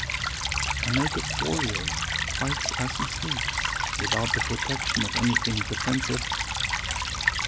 A native warrior fights as he sleeps, without the protection of anything defensive.